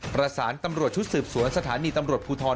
ประสานตำรวจชุดสืบสวนสถานีตำรวจภูทร